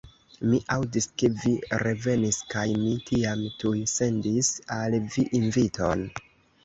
Mi aŭdis, ke vi revenis, kaj mi tiam tuj sendis al vi inviton.